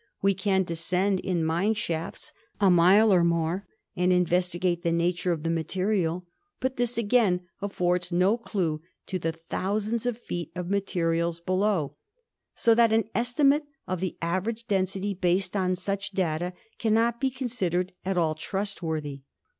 We can de scend in mine shafts a mile or more and investigate the nature of the material, but this again affords no clue to the thousands of feet of materials below, so that an esti mate of the average density based on such data cannot be considered at all trustworthy.